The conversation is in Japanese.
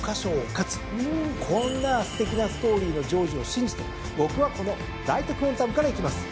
こんなすてきなストーリーの成就を信じて僕はこのライトクオンタムからいきます。